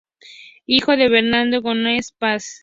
Hijo de Bernardino González Paz.